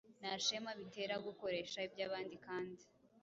Nta shema bitera gukoresha iby’abandi kandi